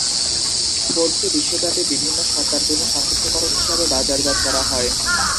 কোডটি বিশ্বব্যাপী বিভিন্ন সত্তার জন্য সংক্ষিপ্তকরণ হিসাবে বাজারজাত করা হয়।